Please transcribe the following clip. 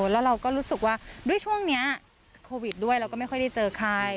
แล้วเราก็รู้สึกว่าด้วยช่วงนี้โควิดด้วยเราก็ไม่ค่อยได้เจอใคร